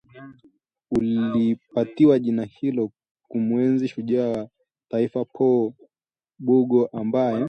Ulipatiwa jina hilo kumuenzi shujaa wa taifa Paul Bogle ambaye